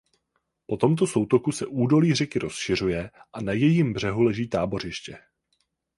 Po tomto soutoku se údolí řeky rozšiřuje a na jejím břehu leží tábořiště.